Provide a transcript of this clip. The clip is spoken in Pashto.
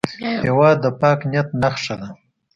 هېواد د پاک نیت نښه ده.